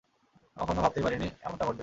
কখনো ভাবতেই পারিনি এমনটা ঘটবে।